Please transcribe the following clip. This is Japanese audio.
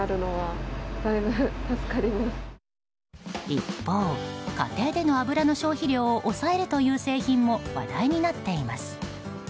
一方、家庭での油の消費量を抑えるという製品も話題になっています。